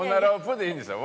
でいいんですよ。